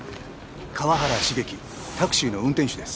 河原茂樹タクシーの運転手です。